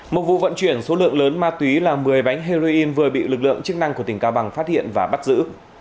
một vụ vận chuyển số lượng lớn ma túy là một mươi bánh heroin vừa bị lực lượng chức năng của tỉnh cao bằng phát hiện và bắt giữ